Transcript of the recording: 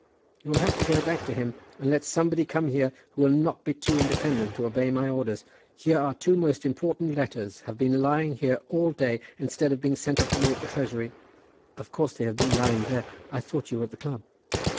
"You'll have to go back to him, and let somebody come here who will not be too independent to obey my orders. Here are two most important letters have been lying here all day, instead of being sent up to me at the Treasury." "Of course they have been lying there. I thought you were at the club."